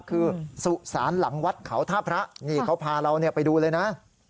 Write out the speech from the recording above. คือสุสานหลังวัดเขาท่าพระนี่เขาพาเราไปดูเลยนะ